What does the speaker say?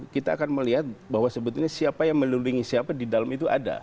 kita akan melihat bahwa sebetulnya siapa yang melulingi siapa di dalam itu ada